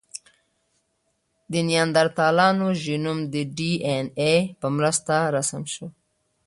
د نیاندرتالانو ژینوم د ډياېناې په مرسته رسم شو.